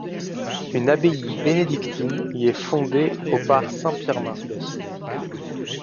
Une abbaye bénédictine y est fondée au par saint Pirmin.